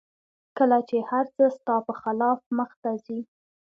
کله چې هر څه ستا په خلاف مخته ځي